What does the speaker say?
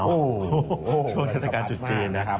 โอ้โฮโชคเศรษฐการณ์จุดจีน